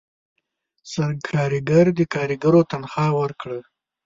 سرکارګر د کارګرو تنخواه ورکړه.